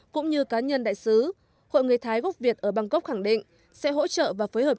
cũng như cá nhân đại sứ hội người thái gốc việt ở bangkok khẳng định sẽ hỗ trợ và phối hợp